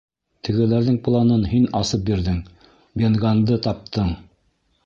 Тегеләрҙең планын һин асып бирҙең, Бен Ганнды таптың.